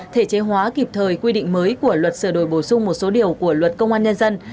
thể chế hóa kịp thời quy định mới của luật sửa đổi bổ sung một số điều của luật công an nhân dân